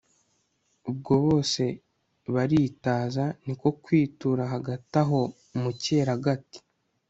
ubwo bose baritaza, ni ko kwitura hagati aho mu cyeragati